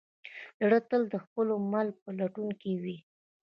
زړه تل د خپل مل په لټون کې وي.